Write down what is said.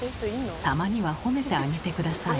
たまには褒めてあげて下さい。